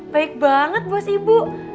baik banget bos ibu